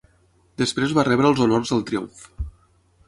Després va rebre els honors del triomf.